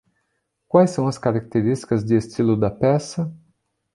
Quais são as características de estilo da peça?